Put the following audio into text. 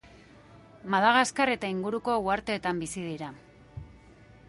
Madagaskar eta inguruko uhartetan bizi dira.